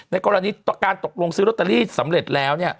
กรณีการตกลงซื้อลอตเตอรี่สำเร็จแล้ว